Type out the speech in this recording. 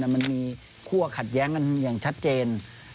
มันมีคั่วขัดแย้งกันอย่างชัดเจน